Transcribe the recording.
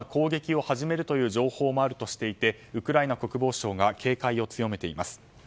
近く、ここで大規模な攻撃を始めるという情報もあるとしていてウクライナ国防省が警戒を強めています。